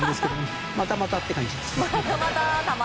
またまたって感じです。